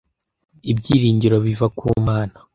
ibyiringiro biva ku mana